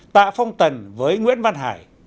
tạ phong tần với nguyễn văn hải